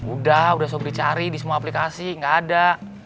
udah udah soal dicari di semua aplikasi gak ada